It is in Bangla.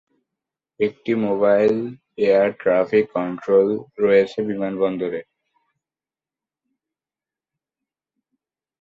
একটি মোবাইল এয়ার ট্রাফিক কন্ট্রোল রয়েছে বিমানবন্দরে।